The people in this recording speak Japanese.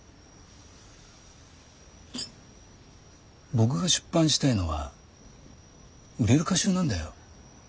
僕が出版したいのは売れる歌集なんだよ。